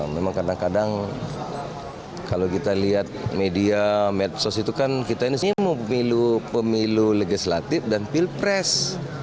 memang kadang kadang kalau kita lihat media medsos itu kan kita ini mau pemilu legislatif dan pilpres